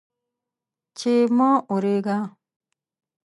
چې مه اوریږه